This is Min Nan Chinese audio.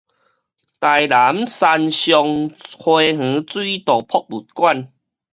臺南山上花園水道博物館